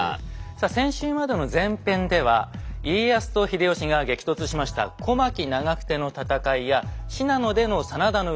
さあ先週までの前編では家康と秀吉が激突しました小牧・長久手の戦いや信濃での真田の裏切り